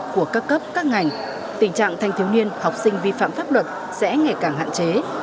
của các cấp các ngành tình trạng thanh thiếu niên học sinh vi phạm pháp luật sẽ ngày càng hạn chế